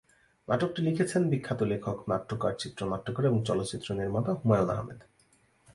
নাটকটি লিখেছেন বিখ্যাত লেখক, নাট্যকার, চিত্রনাট্যকার এবং চলচ্চিত্র নির্মাতা হুমায়ূন আহমেদ।